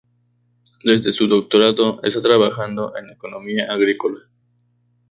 Desde su doctorado, está trabajando en economía agrícola.